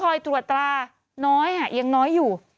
ก็คอยตรวจตาน้อยยังน้อยอยู่